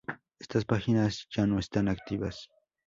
Estas páginas ya no están activas.